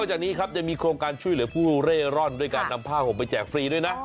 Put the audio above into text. จากนี้ครับยังมีโครงการช่วยเหลือผู้เร่ร่อนด้วยการนำผ้าห่มไปแจกฟรีด้วยนะ